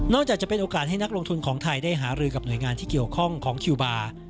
จากจะเป็นโอกาสให้นักลงทุนของไทยได้หารือกับหน่วยงานที่เกี่ยวข้องของคิวบาร์